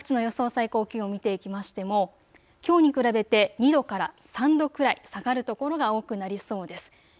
最高気温、見ていきましてもきょうに比べて２度から３度くらい下がる所が多くなりそうです。